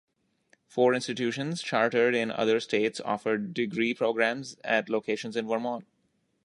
Four institutions chartered in other states offer degree programs at locations in Vermont.